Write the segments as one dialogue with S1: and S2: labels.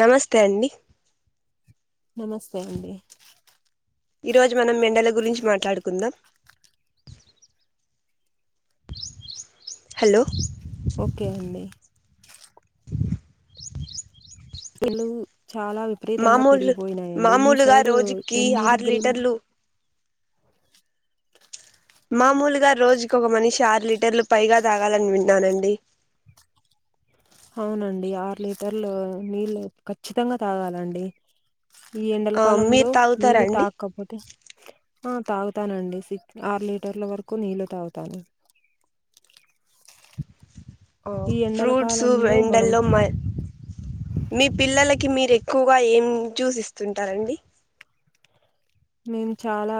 S1: నమస్తే అండి
S2: నమస్తే అండి
S1: ఈ రోజు మనం మెండల గురించి మాట్లాడుకుందాం హలో
S2: ఓకే అండి తెలుగు చాలా విపరీతంగా
S1: మామూలు
S2: పెరిగిపోయినాయండి మీ
S1: మామూలుగా
S2: సైడ్
S1: రోజుకి
S2: ఎన్ని
S1: ఆరు
S2: డిగ్రీలు
S1: లీటర్లు మామూలుగా రోజుకి ఒక మనిషి ఆరు లీటర్లు పైగా తాగాలని విన్నానండి
S2: అవునండి ఆరు లీటర్లు నీళ్ళు ఖచ్చితంగా తాగాలండి ఈ ఎండల
S1: ఆ మీరు
S2: కాలంలో
S1: తాగుతారా
S2: నీళ్ళు
S1: అండి
S2: తాగకపోతే ఆ తాగుతానండి సిక్ ఆరు లీటర్ల వరకు నీళ్ళు తాగుతాను
S1: ఆ
S2: ఈ ఎండల
S1: ఫ్రూట్స్
S2: కాలంలో మనం
S1: ఎండల్లో మ మీ పిల్లలకి తి మీరెక్కువ ఏం జ్యూస్ ఇస్తుంటారండి
S2: మేము చాలా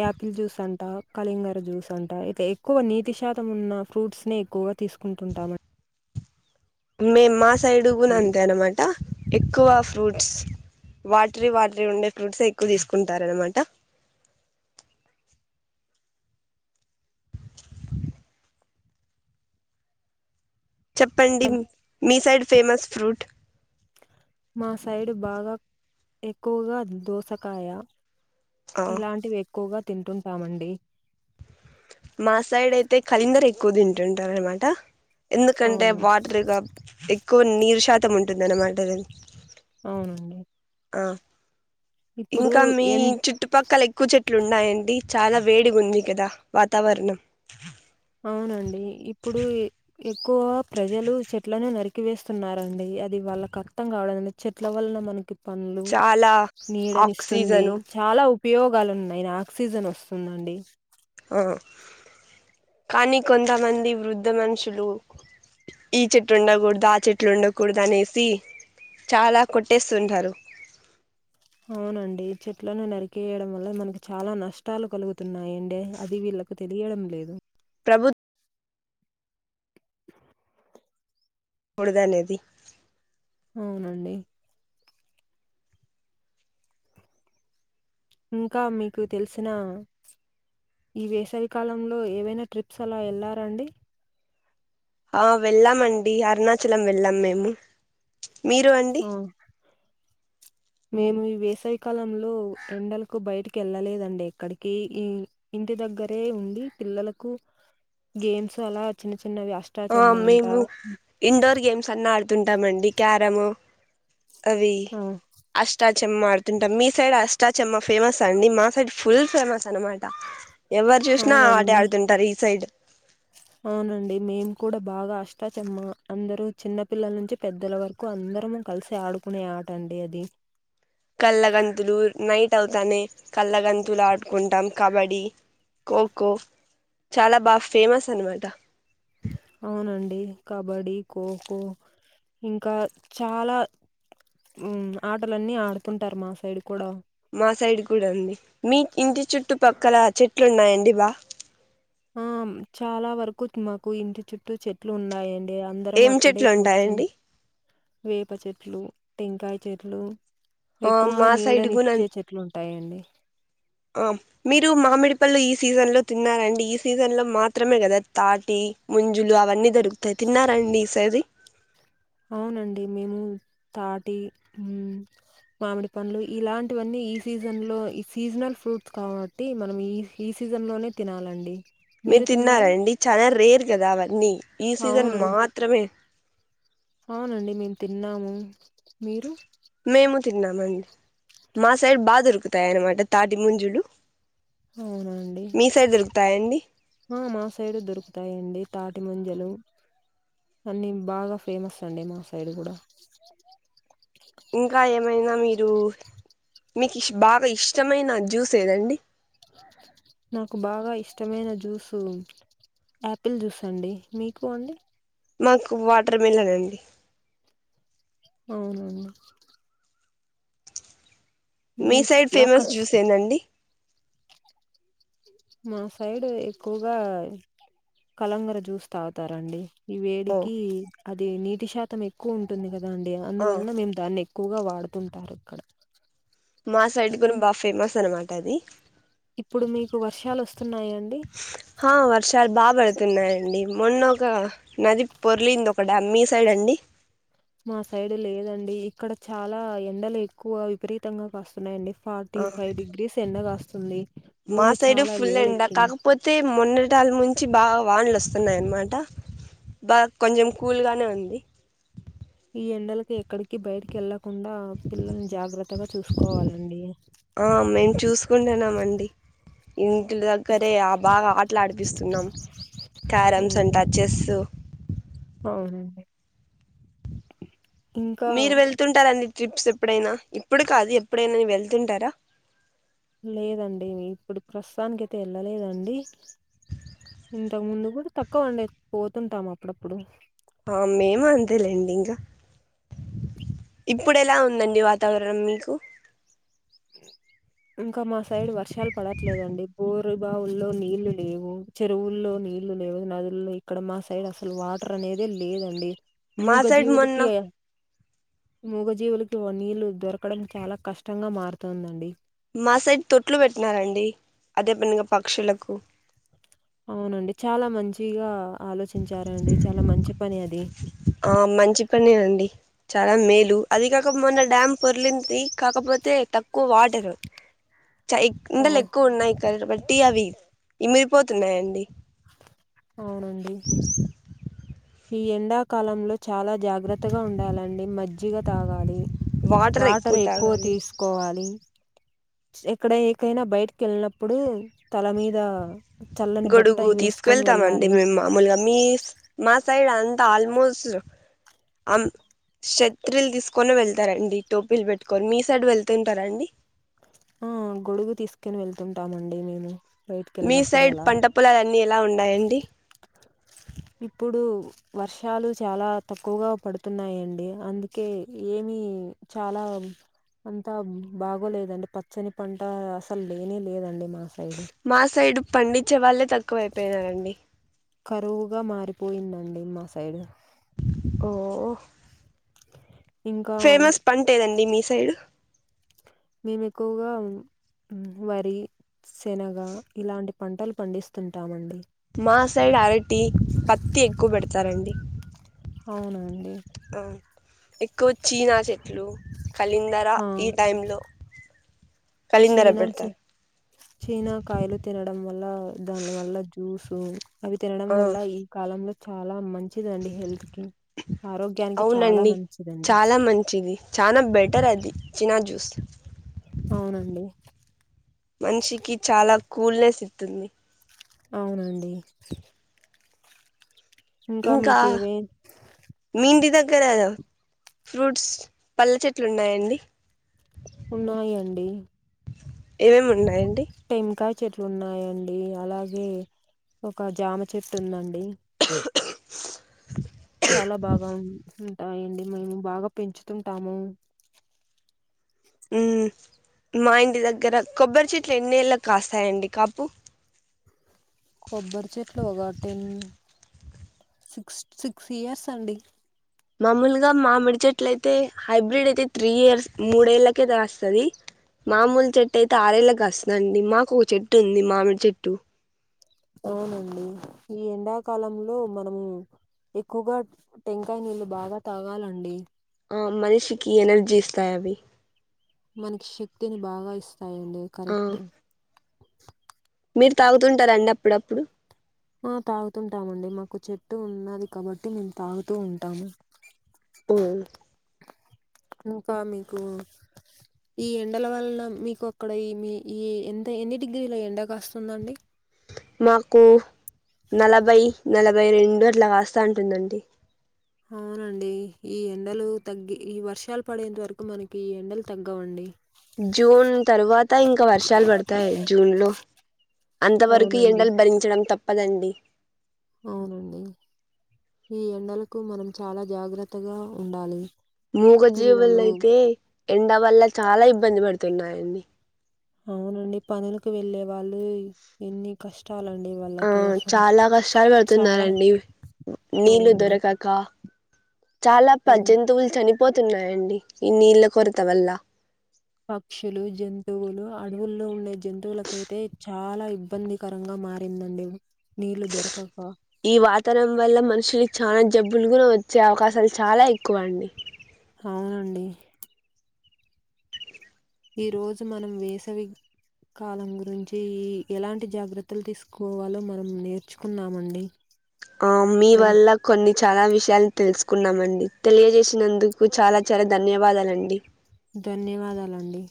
S2: యాపిల్ జ్యూస్ అంటా కళింగర జ్యూస్ అంటా ఇక ఎక్కువ నీటి శాతం ఉన్న ఫ్రూట్స్ నే ఎక్కువగా తీసుకుంటుంటాం అండి
S1: మేం మా సైడ్ కూడ అంతే అనమాట ఎక్కువ ఫ్రూట్స్ వాటరీ వాటరీ ఉండే ఫ్రూట్స్ ఎక్కువ తీసుకుంటారనమాట చెప్పండి మీ సైడ్ ఫేమస్ ఫ్రూట్
S2: మా సైడ్ బాగా ఎక్కువగా దోసకాయ
S1: ఆ
S2: ఇలాంటివి ఎక్కువగా తింటుంటామండి
S1: మాసైడ్ ఎయితే కళింగర ఎక్కువ తింటుంటారనమాట ఎందుకంటే
S2: అవును
S1: వాటర్గా ఎక్కు కొ నీరు శాతం ఉంటుంది అన్నమాట
S2: అవునండి
S1: ఆ
S2: ఇప్పుడు
S1: ఇంకా మీ
S2: ఎన్
S1: చుట్టుపక్కల ఎక్కువ చెట్టు ఇట్లున్నాయండి చాలా వేడిగా ఉంది కదా వాతావరణం
S2: అవునండి ఇప్పుడు ఎక్కువ ప్రజలు చెట్లను నరికివేస్తున్నారండి అది వాళ్ళకి అర్థం కావడంలే చెట్ల వలన మనకి పండ్లు,
S1: చాలా
S2: నీడనిస్తుంది
S1: ఆక్సిజను
S2: చాలా ఉపయోగాలు ఉన్నాయి ఆక్సిజన్ వస్తుందండి
S1: ఆ కానీ కొంతమంది వృద్ధ మనుషులు ఈ చెట్లు ఉండకూడదు ఆ చెట్లు ఉండకూడదు అనేసి చాలా కొట్టేస్తుంటారు
S2: అవునండి చెట్లను నరికేయడం వల్ల మనకి చాలా నష్టాలు కలుగుతున్నాయండి అది వీళ్ళలకు తెలియడం లేదు
S1: ప్రభుత్ బుడద అనేది
S2: అవునండి ఇంకా మీకు తెలిసిన ఈ వేసవి కాలంలో ఏవైనా ట్రిప్స్ అలా వెళ్ళారండి
S1: ఆ వెళ్ళామండి అరుణాచలం వెళ్ళాం మేము మీరు అండి
S2: ఆ మేము ఈ వేసావి కాలంలో ఎండలకు బయటకి వెళ్ళలేదండి ఇక్కడికి ఈ ఇంటి దగ్గరే ఉండి పిల్లలకు గేమ్స్ అలా చిన్న చి
S1: ఆ మేము ఇన్ండోర్ గేమ్స్ అన్నా ఆడ్ గుతుంటామండి క్యారము అవి
S2: ఆ
S1: అష్టా చెమ్మా ఆడుతుంటాం మీ సైడ్ అష్టా చెమ్మ ఫేమస్ అండి మా సైడ్ ఫుల్ ఫేమస్ అన్ మాట ఎవరు చూసినా ఆ ఆట
S2: అవునండి
S1: ఆడుతుంటారు ఈ సైడ్
S2: అవునండి మేం కూడా బాగా అష్టాచమ్మ అందరూ చిన్నపిల్లల నుంచి పెద్దల వరకు అందరము కలిసి ఆడుకునే ఆట అండి అది
S1: కల్ళగంతూలూర్ నైట్ అవుతానే కళ్ళగంతులు ఆడుకుంటాం కబడ్డీ ఖోఖో చాలా బాగా ఫేమస్ అన్ మాట
S2: అవునండి కబడ్డీ ఖోఖో ఇంకా చాలా ఆటలన్నీ ఆడుతుంటారు మా సైడ్ కూడా
S1: మా సైడ్ కూడా ఉంది మీ ఇంటి చుట్టుపక్కల చెట్లు ఉన్నాయండి వా
S2: ఆ చాలా వరకు మాకు ఇంటి చుట్టూ చెట్లు ఉన్నాయండి అంటే అందరం
S1: ఏం
S2: అక్కడే
S1: చెట్లు
S2: కూర్చొని
S1: ఉంటాయండి
S2: వేప చెట్లు టెంకాయ చెట్లు
S1: ఆ
S2: ఎక్కువగా
S1: మా సైడ్ కూడా న
S2: నీడనిచ్చే చెట్లుంటాయండి.
S1: మీరు మామిడిపల్ళు ఈ సీజన్ లో తిన్నారండి ఈ సీజన్ లో మాత్రమే కదా తాటి ముంజులు అవన్నీ దొరుకుతాయి తిన్నారండి ఈ సారి
S2: అవునండి మేము తాటి మామిడి పండ్లు ఇలాంటివన్నీ ఈ సీజన్ లో ఈ సీజనల్ ఫ్రూట్స్ కాబట్టి మనం ఈ ఈ సీజన్ లోనే తినాలండి
S1: మీరు తిన్నారండి చాలా రేర్ కదా అవన్నీ ఈ సీజన్
S2: అవునం
S1: మాత్రమే
S2: అవునండి మేము తిన్నాము మీరు
S1: తిన్నాం అండి మా సైడ్ బాగ దొరుకుతున్నాయి అను మాట తాటి మంజులు
S2: అవునండి ఆ మా సైడ్ దొరుకుతాయండి తా పట్టి మంజలు అన్న బాగా ఫేమస్ అండి మా సైడ్ కూడా
S1: ఇంకా ఏమైనా మీ మీరు మీకి బాగా ఇష్టమైన జ్యూస్ ఏదండి
S2: నాకు బాగా ఇష్టమైన జ్యూస్ యాప్పిల్ జ్యూస్ అండి మీకు అండి
S1: మాకు వాటర్ మిలన్ అండి
S2: అవునవును
S1: మీ
S2: మీకు
S1: సైడ్
S2: అక్కడ
S1: ఫేమస్ జ్యూస్ ఎందండి
S2: మా సైడ్ ఎక్కువగా కలంగర జూస్ తాగుతారండి ఈ
S1: ఓ
S2: వేడికి అది నీటి శాతం ఎక్కువ ఉంటుంది కదా కదండి
S1: ఆ
S2: అందువలన మేము దాన్ని ఎక్కువగా వాడుతుంటారు అక్కడా
S1: మా సైడ్ కూడ బాగ ఫేమస్ అనమాట అది
S2: ఇప్పుడు మీకు వర్షాలు వస్తున్నాయా అండి
S1: హ వర్షాలు బాగా పడుతున్నాయండి మొన్న ఒ ఒక నది పొర్లింది ఒక డ్యామ్ మీ సైడ్ అండి
S2: మా సైడ్ లేదండి ఇక్కడ చాలా ఎండలు ఎక్కువ విపరీతంగా కాస్తున్నాయండి ఫార్టీ
S1: ఆ
S2: ఫైవ్ డిగ్రీస్ ఎండ కాస్ తుంది
S1: మా సైడు ఫుల్ ఎండ కాకపోతే మొన్న టాల్ నుంచి బాగా వానలు వస్తున్నాయిన్నమాట బాగ కొంచెం కూల్గానే ఉంది.
S2: ఈ ఎండలకి ఎక్కడికి బయటికెళ్ళ చూసుకోవాలండి
S1: ఆ మేము చూసుకుంటున్నాం అండి ఇంటి దగ్గరే బాగా ఆటలు ఆడిపిస్తున్నాం క్యారమ్స్
S2: ఉమ్
S1: అంటా చెస్
S2: అవునండి ఇంకా
S1: మీరు వెళ్తుంటార అండ్ ట్రిప్స్ ఎప్పుడైనా ఇప్పుడు కాదు ఎప్పుడైనా వెళ్తుంటారా
S2: లేదండి ఇప్పుడు ప్రస్తుతానికి అయితె వెళ్ళలేదండి ఇంతకు ముందు కూడ తక్కువ అండి పోతుంటాం అప్పుడప్పుడు
S1: మేము అంతేలేండి ఇంకా ఇప్పుడు ఎలా ఉందండి వాతావరణం మీకు
S2: ఇంకా మా సైడ్ వర్షాలు పడట్లేదండి బోర్ రు బావుల్లో నీళ్లు లేవు చెరువుల్లో నీళ్లు లేవు నదుల్లో ఇక్కడ మా సైడ్ అసలు వాటర్ అనేదే లేదండి
S1: మా
S2: మూగ
S1: సైడ్ మొన్న
S2: జీవులకి మూగజీవులకి నీళ్లు దొరకడం చాలా కష్టంగా మారుతుంది తోందండి
S1: మా సైడ్ తొట్లు పెట్టినారండి అదే పనిగా పక్షులకు
S2: అవునండి చాలా మంచిగ ఆలోచించారండి చాలా మంచి పని అది
S1: ఆ మంచి పని అండి చాలా మేలు అది కాక మొన్న డ్యామ్ పొర్లింది కాకపోతే తక్కువ వాటరు చ ఎక్
S2: ఆ!
S1: ఎండలు ఎక్కువ ఉన్నాయి [inaudible] బట్టి అవి ఇమిరిపోతున్నాయండి.
S2: అవునండి ఈ ఎండాకాలంలో చాలా జాగ్రత్తగా ఉండాలండి మజ్జిగ తాగాలి వాటర్ ఎక్కువ తీసుకోవాలి. ఎక్కడ ఏకైనా బయటకి వెళ్ళినప్పుడు తల మీద చల్లని బట్ట
S1: గొడుగు
S2: అయి
S1: తీసుకు
S2: వేసుకొని
S1: వెళ్తామండి
S2: వెళ్ళాలి.
S1: మేము మామూలుగా మీ మా సైడ్ అం త ఆల్మోస్ట్ క్షత్రిలు తీసుకొని వెళ్తారండి టోపీలు పెట్టుకొని మీ సైడ్ వెళ్తుంటారా అండి
S2: ఆ గొడుగు తీసుకని వెళ్తుంటామండి మేము
S1: మీ
S2: బయటికెళ్ళినప్పుడు
S1: సైడ్
S2: అలా.
S1: పంట పొలాలన్నీ ఎలా ఉన్నాయండి
S2: ఇప్పుడు వర్షాలు చాలా తక్కువగా పడుతున్నాయండి అందుకే ఏమి చాలా అంతా బాగోలేదండి పచ్చని పంట అసలు లేనె లేదండి మ మా సైడ్
S1: మా సైడ్ పండించే వాళ్ళే తక్కువైపోయినారండి
S2: కరువుగా మారిపోయిందండి మా సైడ్
S1: ఓ
S2: ఇంకా
S1: ఫేమస్ పంటేదండి మీ సైడ్
S2: మేము ఎక్కువగా వరి శనగ ఇలాంటి పంటలు పండిస్తుంటామ అండి
S1: మా సైడ్ అరటి పత్తి ఎక్కువ పెడుత తారండి
S2: అవునండి
S1: ఇ ఎక్కువ చీనా చెట్లు కలిందర
S2: ఆ
S1: ఈ టైంలో కలిందర
S2: చీనా చ
S1: పెడతారు
S2: చీనా కాయలు తినడం వల్ల దాని వల్ల జ్యూస్ సు అవి తినడం
S1: ఆ
S2: వల్ల ఈ కాలంలో చాలా మంచి మంచిదండి హెల్త్ కి ఆరోగ్యానికి చాలా
S1: అవునండి
S2: మంచిదండి
S1: చిీనా జూస్
S2: అవునండి
S1: మనిషికి చాలా కూల్నెస్ ఇ ఇస్తుంది
S2: అవునండి
S1: ఇంకా మీ ఇంటి దగ కదా ఫ్రూట్స్ పళ్ళె చెట్లు ఉన్నాయండి
S2: ఉన్నాయంండి
S1: ఏవేం ఉన్నాయి
S2: టెన్ కాయ చెట్లు ఉన్నాయండి అలాగే ఒక జామ చెట్టు ఉందండి చాలా బాగా హాయ్ అండి మేము బాగా పెంచుతుంటాము
S1: ఉ మా ఇంటి దగ్గర కొబ్బరి చెట్లు ఎన్నిళ్ళకి కాస్తాయండి కాపు
S2: కొబ్బరి చెట్లు ఒక టెన్ సిక్స్ సిక్స్ ఇయర్స్ అండి
S1: మామూలుగా మామిడి చెట్లు అయితే హైబ్రిడ్ అయితే త్రీ ఇయర్స్ మూడేళ్ళకే కాస్తుంది మామూలు చెట్టు అయితే ఆరేళ్ళకి వస్తుందిండి మాకు ఒక చెట్టు ఉంది మామిడి చెట్టు
S2: అవునండి ఈ ఎండాకాలంలో మనము ఎక్కువగా టెంకాయ నీళ్ళు బాగా తాగాలండి
S1: ఆ మనిషికి ఎనర్జీ ఇస్తాయి అవి
S2: మనకి శక్తిని బాగా ఇస్త య
S1: ఆ
S2: కరెక్ట్ [unintelligible]
S1: మీరు తాగుతుంటారండి అప్పుడప్పుడు.
S2: ఆ తాగుతుంటామండి మాకు చెట్టు ఉన్నది కాబట్టి మేము తాగుతూ ఉంటాము. ఇంకా మీకూ ఈ ఎండల వలన మీకు అక్కడ ఈ మీ ఈ ఎంత ఎన్ని డిగ్రీల ఎండ కాస్తుందండి.
S1: మాకు నలభై నలభై రెండు అట్లా కాస్తా ఉంటుందండి.
S2: అవునండి. ఈ ఎండలూ తగ్గి ఈ వర్షాలు పడేంత వరకు మనకి ఈ ఎండలు తగ్గవండి.
S1: జూన్ తర్వాత ఇంకా వర్షాలు పడతాయి జూన్ లో. అంత వరకు ఈ
S2: అవునండి.
S1: ఎండలు భరించడం తప్ ప్పదండి.
S2: అవునండి. ఈ ఎండలకు మనం చాలా జాగ్రత్తగా ఉండాలి.
S1: మూగ్జీవుల్ల
S2: పిల్లలు
S1: అయితే ఎండ వల్ల చాలా ఇబ్బంది పడుతున్నాయండి.
S2: అవునండి పనులకు వెళ్ళే వాళ్ళు ఎన్ని కష్
S1: ఆ చాలా కష్టాలు
S2: చాలా
S1: పడుతున్నారండి, నీళ్ళు
S2: అవునండి.
S1: దొరకకా. చాలా ప
S2: అవును.
S1: జంతువులు చని పోతున్నాయండి, ఈ నీళ్ళ కొరత వల్ల.
S2: పక్షులు, జంతువులు అడవుల్లో ఉండే జంతువులకయితే చాలా ఇబ్బందికరంగా మారిందండి నీళ్లు దొరకకా.
S1: ఈ వాతారం వల్ల మనుషులి చానా జబ్బులు కూడ వచ్చే అవకాశాలు చాలా ఎక్కువ అండి.
S2: అవునండి ఈ రోజు మనం వేసవి కాలం గురించి ఈ ఎలాంటి జాగ్రత్తలు తీసుకోవాలో మనం నేర్చుకున్నాంమండి.
S1: ఆ మీ వల్ల కొన్ని చాలా విషయాల్ తెల్స్ కున్నామండి. తెలియజేసినందుకు చాలా చాలా ధన్యవాదాలండి.
S2: ధన్యవాదాలండి.